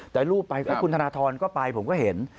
แต่รูปไปแล้วคุณธนทรก็ไปผมก็เห็น